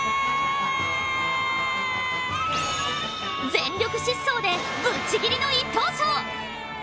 全力疾走でぶっちぎりの１等賞。